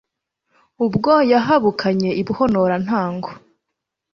Ubwo yahabukanye i Buhonora-ntango.